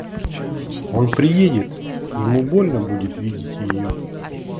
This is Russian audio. Он приедет, ему больно будет видеть ее.